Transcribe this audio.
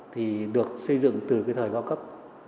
thì được xây dựng từ cái thời cao cấp